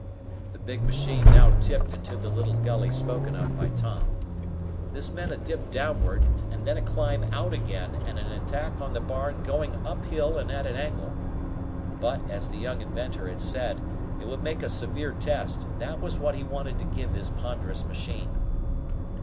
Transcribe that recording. The big machine now tipped into the little gully spoken of by Tom. This meant a dip downward, and then a climb out again and an attack on the barn going uphill and at an angle. But, as the young inventor had said, it would make a severe test and that was what he wanted to give his ponderous machine.